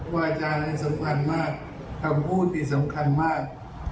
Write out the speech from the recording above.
วาจานี่สำคัญมากคำพูดนี่สำคัญมาก